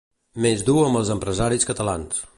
Més dur amb els empresaris catalans.